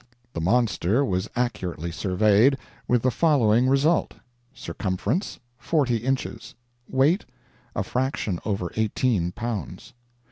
The monster was accurately surveyed, with the following result: circumference, forty inches; weight, a fraction over eighteen pounds.